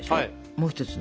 もう一つの。